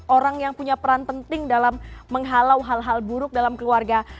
orang yang punya peran penting dalam menghalau hal hal buruk dalam keluarga